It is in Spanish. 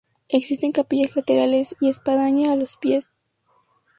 Existen capillas laterales y espadaña a los pies.